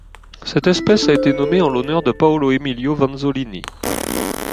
Cette espèce a été nommée en l'honneur de Paulo Emilio Vanzolini.